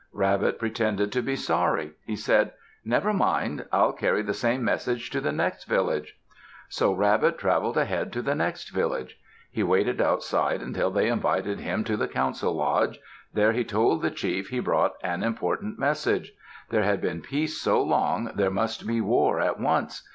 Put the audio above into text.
Rabbit pretended to be sorry. He said, "Never mind. I'll carry the same message to the next village." So Rabbit traveled ahead to the next village. He waited outside until they invited him to the council lodge. There he told the chief he brought an important message: there had been peace so long, there must be war at once.